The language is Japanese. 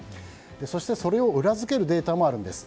そして、それを裏付けるデータもあるんです。